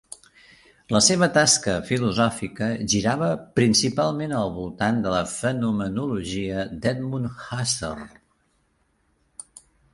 La seva tasca filosòfica girava principalment al voltant de la fenomenologia d'Edmund Husserl.